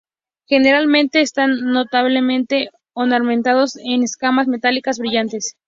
Generalmente, están notablemente ornamentados con escamas metálicas brillantes.